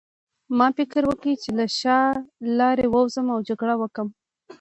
ما فکر وکړ چې له شا لارې ووځم او جګړه وکړم